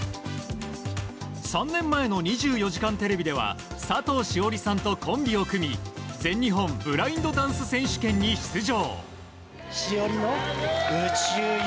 ３年前の「２４時間テレビ」では佐藤栞里さんとコンビを組み全日本ブラインドダンス選手権に出場。